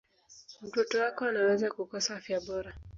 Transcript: mtoto wako anaweza kukosa afya bora